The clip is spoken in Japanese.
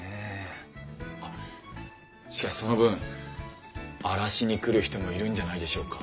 あっしかしその分荒らしに来る人もいるんじゃないでしょうか？